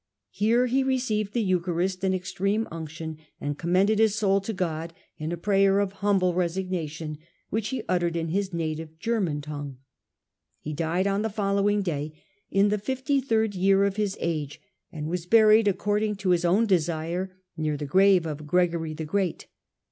Here he received the Eucharist and extreme unction, and commended his soul to God in a prayer of humble resignation, which he uttered in his native German tongue. He died on the following day in the fifty third year of his age, and was buried according to his own desire near to the grave of Gregory the Great.